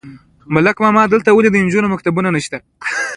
_ملک لالا! دلته ولې د نجونو مکتب نشته؟